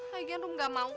lagian rumi gak mau